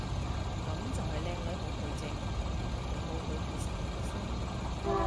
噉就係靚女恐懼症，有冇去睇心理醫生？